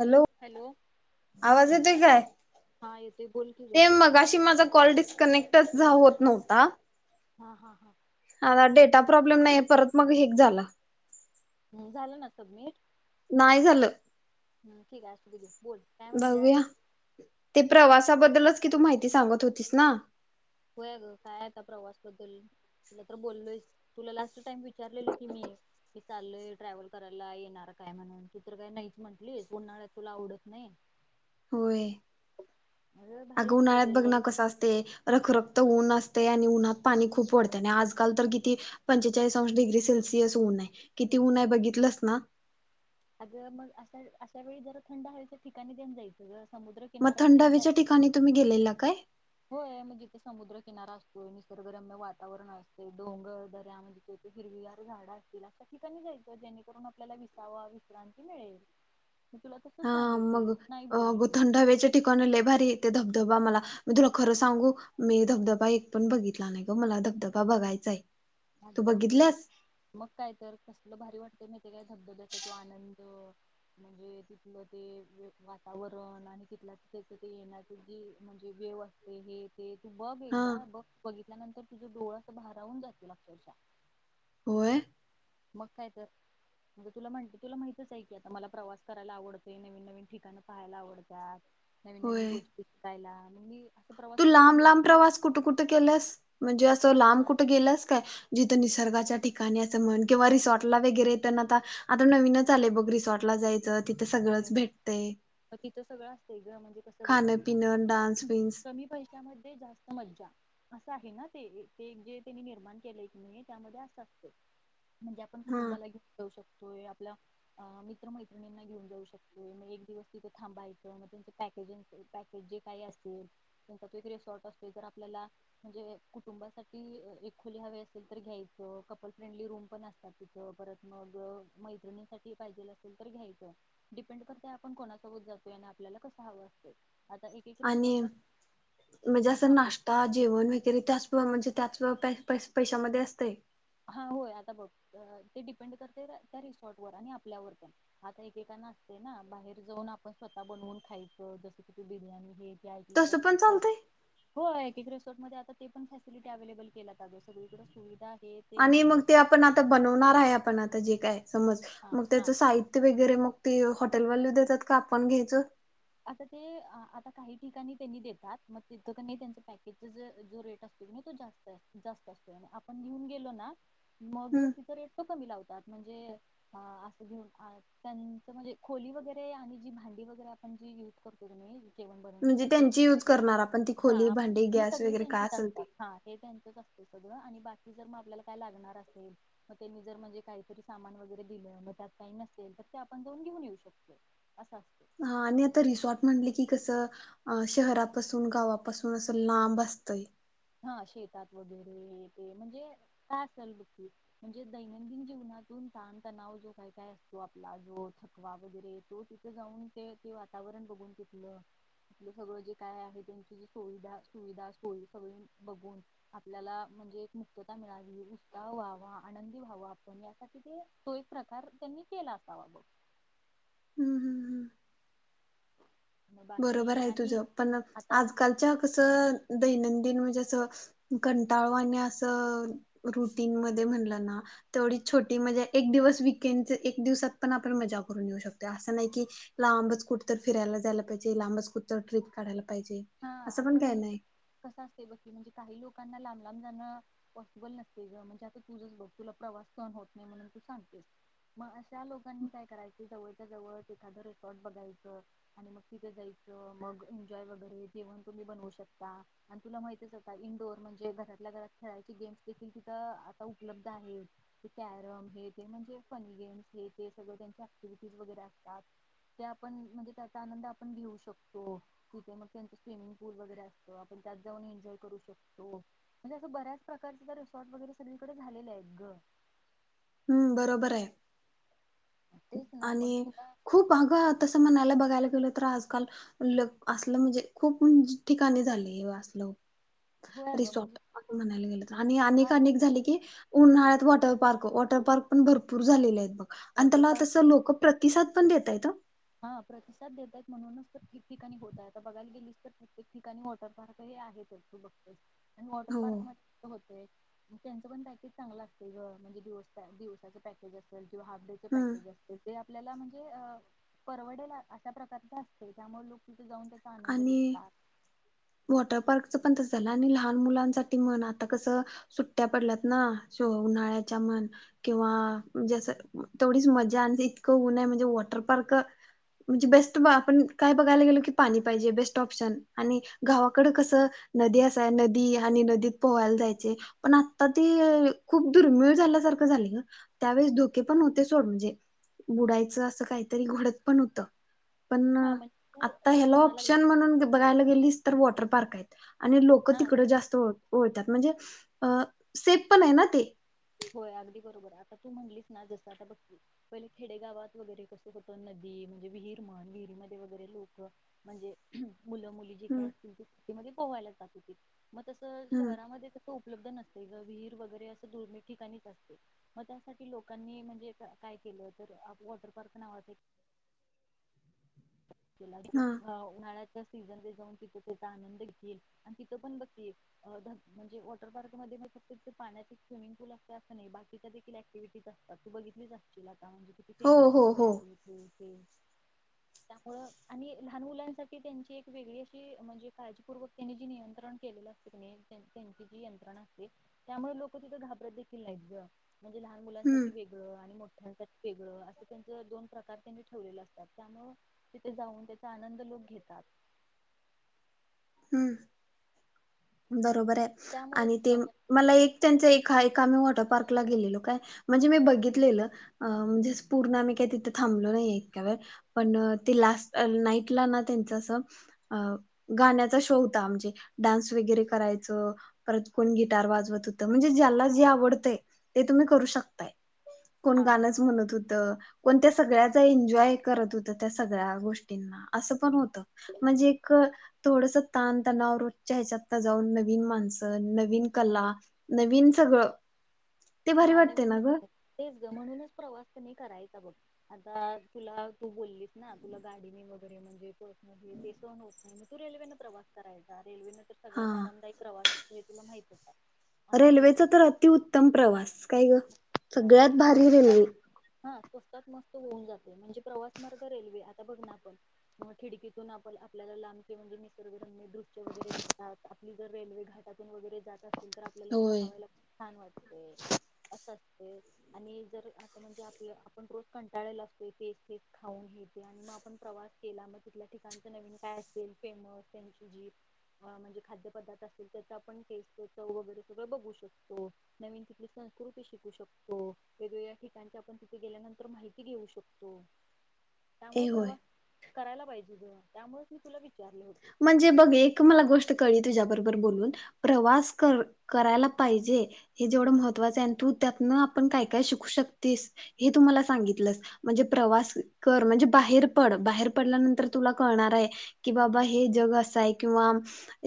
Hello आवाज येतोय काय हा येतोय बोल की ग. ते मघाशी माझा कॉल डी कनेक्टच झा होत नव्हता हा हा आता डेटा प्रॉब्लेम नाही परत मग हेक झाला हम्म झाल ना सबमीट नाय झाल ठीक आहे असू दे घे बोल काय म्हणत्यास? बघूया ते प्रवास त्या बद्दलच की तू माहिती सांगत होतीस ना होय आग काय आता प्रवास बद्दल तुला तर बोललोय तुला लास्ट टाइम विचारलेल की मी मी चालोलय ट्रॅव्हल करायला येणार काय म्हणून तू तर काय नाहीच म्हंटलीस उन्हाळ्यात तुला आवडत नाही होय अगं भारी अग असतय उन्हाळ्यात ग बघना यायचं. कस असतय रखरख ऊन असतय आणि उन्हात पाणी खूप वाढतय आणि आजकाल तर किती पंचेचाळीस अंश डिग्री सेल्सिअस ऊन आहे किती ऊन आहे बघितलस ना अग मग अशा अशा वेळी जरा थंड हवेच्या ठिकाणी तेन जायच ग समुद्र म किनाऱ्या थंड तेन हवेच्या ठिकाणी तुम्ही गेलेला काय होय मग जीथ समुद्रकिनारा असतो निसर्गरम्य वातावरण असते डोंगर, दऱ्या म्हणजे तेथे हिरविगार झाड असतील अशा ठिकाणी जायच जेणेकरून आपल्याला विसावा, विश्रांती मिळेल. तुला तसच हा सांगितलेलं मग तू नाही अ बोलली थंड हवेच्या ठिकाणी लय भारी ते धबधबा धबा मला मी तुला खरं सांगू मी धबधबा एक पण बघितला नाही ग मला धबधबा बघायचाय तू अग खुळे बघितल्यास मग काय तर कसलं भारी वाटतं माहितीये काय धबधब्याचा तो आनंद द म्हणजे तिथलं ते वे वातावरण आणि तिथला तिच ते येण्याची जी म्हणजे वेव असते हे ते तु बघ हा एकदा बघ बघितल्यानंतर तुझं डोळा असं भारावून जाइ ते अक्षरशः होय मग काय तर म्हणजे तुला म्हणते तुला माहितच आहे की आता मला प्रवास करायला आवडतय नवीन-नवीन ठिकाण पाहायला आवडतात. नवीन नवीन होय गोष्टी शिकायला मग मी असं प्रवास तू कुठे पण लांब करत लांब प्रवास कुठ-कुठ केलस? म्हणजे अस लांब आता कुठे गेलस काय जि तर निसर्गाच्या ठिकाणी असं म्हण किंवा रिसॉर्टला वगैरे आता आता नवीनच आलय बघ रिसॉर्टला जाय तर तिथ होय सगळच भेटतय मग तिथं सगळं असतंय ग म्हणजे कसं खान- पिनं, डान्स-बिंन्स त्यामध्ये जास्त मज्जा असं आहे ना ते ए ते जे त्यांनी निर्माण केले एकीने त्यामध्ये असं असते. म्हणजे आपण हा कुटंबाला घेउन जाऊ शकतो. तोय आपल्या आ मित्रमैत्रिणींना घेऊन जाउ शकतो आहे मग एक दिवस तिथ थांबायचं मग त्यांचे पॅकेजिंग पॅकेज जे काही असेल त्यांचा तो एक रिसॉर्ट असतो, जर आपल्याला म्हणजे कुटुंबासाठी अ एक खुले हवे असेल तर घ्यायचं, कपल फ्रेंडली रूम पण असतात तिथं परत मग मैत्रिणींसाठी पाहिजेल असेल तर घ्यायचं डिपेंड करतं आपण कोणासोबत जातोय आणि आपल्याला कसं हवं असतं. आणि म्हणजे असं हा नाश्ता जेवण वगैरे ते अस किंवा म्हणजे त्याच पैश-पैशामध्ये असते. हा होय आता बघ ते डिपेंड करते त्या रिसॉर्टवर आणि आपल्यावर पण आता एकेकांना असते ना बाहेर जाऊन आपण स्वतः बनवून खायचं जसं कि बिर्याणी तसं पण हे चालतय होय. एक रिसॉर्ट मध्ये आता ते पण फॅसिलिटी अवेलेबल केलात ग आता सगळीकड सुविधा आहे. आणि मग ते आपण आता बनवणार आहे आपण आ आता जे काय समज हा मग हा त्याचं साहित्य वगैरे मग ते हॉटेलवाली देतात का आपण घ्यायचं? आता ते आ आता काही ठिकाणी त्यांनी देतात. मग तिथकनी त्यांच पॅकेजच ज जो रेट असतोय कनी तो जास्त अस जास्त असतोय म आपण घेऊन गेलो ना मग हम् तिथं रेटपण कमी लावतात आ म्हणजे आ असं घेऊ त्यांचा म्हणजे खोली वगैरे आणि जी भांडी वगैरे म्हणजे युज करते ना मी म्हणजे त्यांची युज करणार आपण ती खोली हा भांडी गॅस वगैरे काय असेल ते तिथच असतं सगळं आणि बाकी जर मग आपल्याला काय लागणार असेल मग त्यांनी जर म्हणजे काहीतरी सामान वगैरे दिलं मग त्यात काही नसेल तर ते आपण जाऊन घेऊन येऊन शकतो असं असतं. हा आणि आता रिसॉर्ट म्हटले की कसं अ शहरापासून गावापासून असं लांब असतय. हा शेतात वगैरे ते म्हणजे काय असाल बघ म्हणजे दैनंदिन जीवनातून ताणतणाव जो काय काय असतो आपला जो थकवा वगैरे तो तिथे जाऊन ते ते वातावरण बघून तिथलं सगळं जे काय आहे त्यांची सुविधा सुविधा सोय सगळी बघून आपल्याला म्हणजे एक मुक्तता मिळावी उत्साह व्हावा आनंदी व्हावा आपण यासाठी ते तो एक प्रकार त्यांनी केला असावा बघ हम्म हम्म हम्म बाकी बरोबर आहे तुझ आणि पण आता आजकालच्या कस दैनंदिन दिन म्हणजे असं कंटाळवाने अस रुटीन मध्ये म्हणलं ना तेवढी छोटी मजा एक दिवस वीकेंडच एक दिवसात पण आपण मजा करून येऊ शकतो. असं नाही कि लांबच कुठ फिरायला जायला पाहिजे. ति लांब च कुठतरी ट्रीप काढायला पाहीजे. हा अगं म्हणजे कस असतय बकी म्हणजे काही लोकांना लांब लांब जाण पॉसिबल नसतय ग म्हणजे आ तुझ घे तुला प्रवास सहन् होत नाही म्हणून तू सांगतेस मग अशा मग त्यां लोकांनी काय करायच जवळच्या जवळ एखाद रिसॉर्ट बघायचं आणि मग तिथे जायचं मग एन्जॉय वगैरे जेवण तुम्ही बनवू शकता आणि तुला माहितच आता इंडोर म्हणजे घरातल्या घरात खेळायचे गेम्स देखील तिथं आता उपलब्ध आहेत. कॅरम हे ते म्हणजे फनी गेम्स हे ते सगळ त्यांची ऍक्टिव्हिटीज वगैरे असतात. ते आपण म्हणजे त्याचा आनंद आपण घेऊ शकतो तिथे मग त्यांच स्विमिंग पूल वगैरे असतो आपण त्यात जाऊन एन्जॉय करू शकतो म्हणजे असं बऱ्याच प्रकारच रिसॉर्ट वगैरे सगळीकडे झालेलं आहेत ग हम्म बरोबर हाय तेच ना मग आणि तुला खूप अगं तसं म्हणायला बघा. बघायला गेलं तर आजकाल ल असलं म्हणजे खूप ठिकाणी झालय असलं. होय अगं म्हणजे रिसॉर्ट म्हणायला गेलं आणि अनेक हा ते अनेक झाले की, उन्हाळ्यात वाॉटर पार्क वॉ वॉटर पार्क पण भरपूर झालेले आहेत बग आणि वॉटर त्याला पार्क तसं लोक प्रतिसाद पण देेतायेत हं हा प्रतिसाद देतायेत म्हणूनच तर ठिकठिकाणी होतायत आता बघायला गेलीस तर प्रत्येक ठिकाणी वॉटर पार्क हे आहेतच तू बघतेस. आणि वॉटर हो पार्क मध्ये कस होतेय. त्यांचं पण पॅकेज चांगलं असतेय ग म्हणजे दिवस दिवसाचं पॅकेज असेल. किंवा हाफ डे च हम्म पॅकज असतय जे आपल्याला म्हणजे अ परवडेल अशा प्रकारचे असतय त्यामुळे लोक जाऊन त्याचा आनंद आणि लुटतात. वॉटर पार्कच पण तस झालं आणि लहान मुलांसाठी म्हण आता कसं सुट्ट्या पडल्यात ना सो उन्हाळ्याच्या म्हण किंवा म्हजे असं तेवढीच मजा आणि इतकं ऊन आहे म्हणजे वॉटर पार्क म्हणजे बेस्ट आपण काय बघायला गेलो की पाणी पाहिजे बेस्ट ऑप्शन आणि गावाकड कसं नदी असाय नदी आणि नदीत पोहायला जायचे पण आता ते खूप दुर्मिळ झाल्यासारखं झालय ग त्यावेळेस धोके पण होते. सोड म्हणजे बुडायचं असं काहीतरी घडत पण होत. पण हा म्हणजे तू आता जसं ह्याला म्हणा लागलं ऑप्शन म्हणून बघायला गेलीस, तर वॉटर पार्क आहेत. आणि लोकं हा तिकड जास्त होत. ओळत्यात म्हणजे अ सेप पण हाय ना ते होय अगदी बरोबर आता तू म्हणलीस ना जसं आता बघ की पहिले खेडेगावात वगैरे कसं होतं नदी म्हणजे विहीर म्हण विहिरीमध्ये वगैरे लोक म्हणजे मुलं मुली जे काय हम्म असतील ती म्हणजे पोवायला जात होती म तशी तस हम्म शहरामध्ये तस उपलब्ध नसत. ते ग विहीर वगैरे अस दुर्मिळ ठिकाणीच असते मग त्यासाठी लोकांनी म्हणजे काय केल तर अ वॉटर पार्क नावाच एक केला की हा मग उन्हाळ्याच्या सीजन ते जाऊन तिथ त्याचा आनंद घेतील आणि तिथं पण बघ की म्हणजे वॉटर पार्क मध्ये फक्त तिथ पाण्याची स्विमिंग पूल असतय असं नाही बाकीच्या देखील ऍक्टिव्हिटीज असतात तू बघितलीच असशील आता आता म्हणजे किती हो फेमस हो वगैरे हो आहे ते? त्यामुळ आणि लहान मुलांसाठी त्यांची एक वेगळी अशी म्हणजे काळजीपूर्वक त्यांनी जी नियंत्रण केलेलं असते त्यांची जी यंत्रणा असते त्यामुळे लोक तिथं घाबरत देखील नाहीत ग म्हणजे लहान हम्म मुलांसाठी वेगळं आणि मोठ [inaudible] वेगळं असं त्यांच दोन प्रकार त्यांनी ठेवलेल असतात. त्यामुळ तिथे जाऊन त्याचा आनंद लोक घेतात. हूं [inaudible] बरय त्यामुळे आणि ते मला प्रवास एक त्यांच एक हाय काल वॉटर पार्क ला गेलेलो काय म्हणजे मी बघितलेलं अ म्हणजेच पूर्ण आम्ही काय तिथे थांबलो नाही इतका वेळ पण ती लास्ट नाईटला ना त्यांचं असं अ गाण्याचा शो होता म्हणजे डान्स वगरै करायच परत कोण गिटार वाजवत होत म्हणजे ज्याला जे आवडतय ते तुम्ही करू शकताय. कोण हा हा गाणंच हा म्हणत होत. कोणत्या सगळ्याचा एन्जॉय करत होत्या त्या सगळ्या गोष्टींना असं पण होतं म्हणजे एक थोडस ताण तणावर रोजच्या ह्याच्यात ता जाऊन नवीन माणसं नवीन कला नवीन सगळं ते हा भारी वाटते नवीन ना ग नसत तेच ग म्हणूनच प्रवास कणय करायचा बघ आता तुला तू बोललीस ना तुला गाडीने वगैरे म्हणजे पर्सनल हे ते सहन होत नाही म तू रेल्वेन प्रवास करायचा रेल्वेने तर हा सगळ्यात आरामदायक प्रवास हे तुला माहित हाय? रेल्वेचा तर अतिउत्तम प्रवास काय ग ना, सगळ्यात आणि भारी स्वतः रेल्वे हा स्वस्तात मस्त होऊन जाते म्हणजे प्रवास मार्ग रेल्वे आता बघ ना आपण अ खिडकीतून आपण आपल्याला लांब किंवा म्हणजे निसर्गरम्य दृश्य वगैरे दिसतात आपली जर रेल्वे घाटातून वगैरे जात असतील तर आपल्याला ते होय पाहावयाला खूप छान वाटतेय. अस असतंय आणि जर आता म्हणजे आपल आपण रोज कंटाळेला असतोय तेच ते तेच खाऊन हे ते आणि मग आपण प्रवास केला मग तिथल्या ठिकाणच नवीन काय असेल फेमस त्यांची जी अ म्हणजे खाद्य पदार्थ असतील त्याचा आपण टेस्ट चव वगैरे सगळ बघू शकतो नवीन तिथली संस्कृती शिकू शकतो वेगवेगळ्या ठिकाणच्या आपण तिथे गेल्यानंतर माहिती घेऊ शकतो. त्यामुळ ए होय प्रवास करायला पाहिजे ग त्यामुळेच मी तुला विच म्हणजे बघ एक मला गोष्ट कळली तुझ्या बरोबर बोलून प्रवास कर करायला पाहिजे हे जेवढ महत्वाच आहे तू त्यातन आपण काय काय शिकू शकतीस हे तु मला सांगितलेस म्हणजे प्रवास कर म्हणजे बाहेर पड बाहेर पडल्यानंतर तुला कळणार आहे की बाबा हे हे जग अस आहे किंवा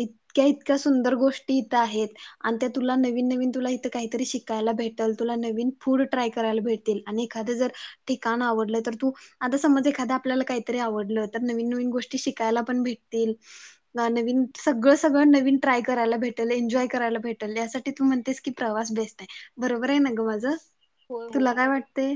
इतक्या इतक्या सुंदर गोष्टी इथं आहेत आणि त्या तुला नवीन नवीन तुला इथ काहीतरी शिकायला भेटल तुला नवीन फूड ट्राय करायला भेटतील आणि एखादं जर ठिकाण आवडलं तर तू आता समज एखाद आपल्याला काहीतरी आवडलं तर नवीन नवीन गोष्टी शिकायला पण भेट तील नवीन सगळं सगळं नवीन ट्राय करायला भेटल एन्जॉय करायला भेटल यासाठी तू म्हणतेस की प्रवास बेस्ट आहे बरोबर आहे न गं माझं? होय होय तुला काय आता बघ की वाटतय?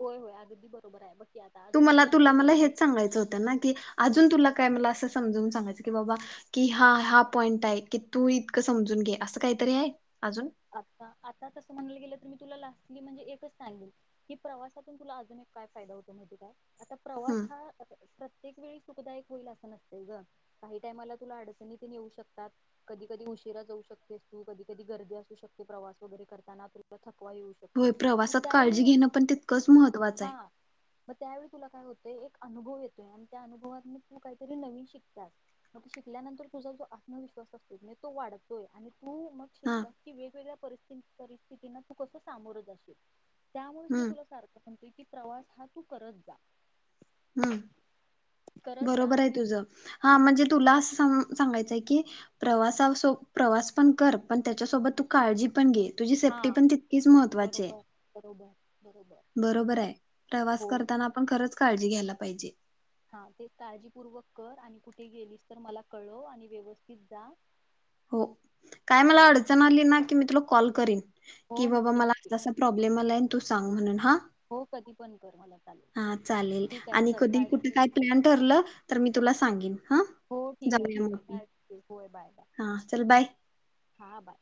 होय होय अगदी बरोबर आहे बघकी आता तु अजून एक मला तुला म्हणाले मला गेले हेच सांगायचं होत ना की अजुन तुला काय मला अस समजून सांगायच की बाबा की हा हा पॉईंट आहे की तू इतकं समजून घे असं काहीतरी आहे अजून आता आता तसं म्हणायला गेलं तर मी तुला लास्टली म्हणजे एकच सांगेल की प्रवासातून तुला अजून एक काय फायदा होतो माहिती का प्रवास हम्म हा प्रत्येक वेळी सुखदायक होईल असं नसतय ग काही टायमाला तुला अडचणीत पण येेऊ शकतात कधी कधी उशिरा जाऊ शकतेस तू कधी कधी गर्दी अस [unintelligible] प्रवास वगैरे करताना तुला थक थकवा येऊ शकतो होय म प्रवासात काळजी त्यावेळी घेणं पण तितकंच महत्त्वाचं हा आहे म त्यावेळी तुला काय होत ते एक अनुभव येतोय आणि त्या अनुभवातन तू काहीतरी नवीन शिकत्यास मग शिकल्यानंतर तुझा जो आत्मविश्वास असतो की नाय तो वाढतोय आणि तु मग हा शिका वेगवेगळ्या परिस्थिती परिस्थितीन तू कस सामोर जाशील? त्यामुळेच मी हम्म तुला सारखं पण तु कि प्रवास हा तू करत जा. हूं करत जा बरोबर आहे आणि तुझ हा म्हणजे तुला अस सांगायचंय की प्रवासासो प्रवास पण कर पण त्याच्यासोबत तू काळजी पण घे. तुझी सेफ्टी हा पण तितकीच महत्त्वाचीये. बरोबर बरोबर बरोबर बरोबरय प्रवास होय करताना आपण खरंच काळ- जी घ्यायला पाहिजे. हा ते काळजीपूर्वक कर आणि कुठे गेलीस तर मला कळव आणि व्यवस्थित जा. हो काय मला हो अडचण आली ना की मी तुला कॉल करीन. की हो बाबा नक्की मला नक्की [unintelligible] सा प्रॉब्लेम आलाय तू सांग म्हणून हां हो कधीपण कर मला चालेल हा चालेल ठीक आहे आणि चल कधी काळजी कुठे घे काय तुझी प्लॅन ठरलं तर मी तुला सांगेन हा हो ठीक आहे जाऊया ठीक मग आहे आपण काय होय बाय बाय हां चल बाय. हां बाय